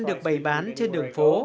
được bày bán trên đường phố